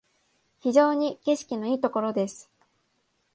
非常に景色のいいところです